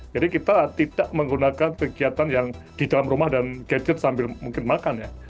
jadi kita tidak menggunakan kegiatan yang di dalam rumah dan gadget sambil mungkin makan ya